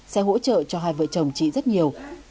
sẽ hỗ trợ cho hai vợ chồng chị rất nhiều